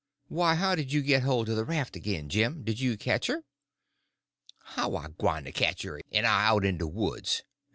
"Why, how did you get hold of the raft again, Jim—did you catch her?" "How I gwyne to ketch her en I out in de woods?